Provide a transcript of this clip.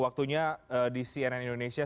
waktunya di cnn indonesia